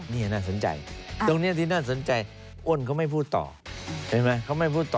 นี่น่าสนใจตรงนี้น่าสนใจโอ้นไม่พูดต่อ